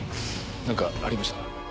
何かありました？